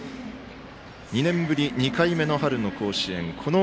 ２年ぶり２回目の春の甲子園。